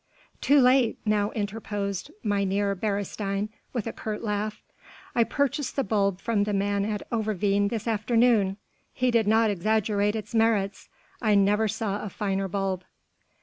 "Too late," now interposed Mynheer Beresteyn with a curt laugh, "I purchased the bulb from the man at Overveen this afternoon. He did not exaggerate its merits. I never saw a finer bulb."